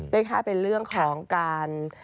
เลข๕เป็นเรื่องของการ